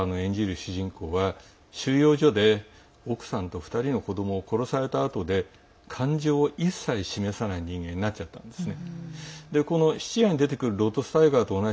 そこに出てくるロッド・スタイガーの演じる主人公は収容所で奥さんと２人の子どもを殺されたあとで感情を一切示さない人間になっちゃったんですね。